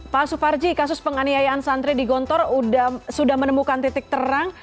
pak suparji kasus penganiayaan santri di gontor sudah menemukan titik terang